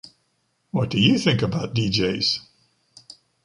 What do you think about DJs?